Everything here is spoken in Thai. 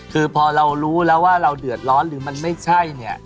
คือพอเรารู้แล้วว่าเราเดือดร้อนหรือมันไม่ใช่เนี่ย